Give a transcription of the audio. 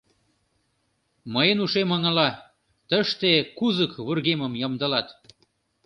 Мыйын ушем ыҥыла: тыште кузык вургемым ямдылат.